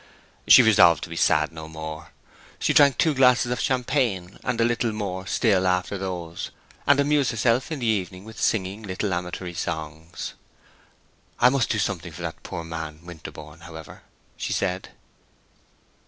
She resolved to be sad no more. She drank two glasses of champagne, and a little more still after those, and amused herself in the evening with singing little amatory songs. "I must do something for that poor man Winterborne, however," she said.